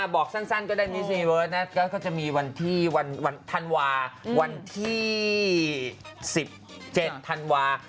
บอกสั้นก็ได้มิสยูนิเวิร์สนะก็จะมีวันที่วันทันวาว์วันที่๑๗ทันวาว์